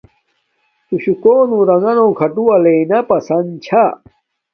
تو شوہ کونے رنݣ کھاٹو وہ لنا پسن چھا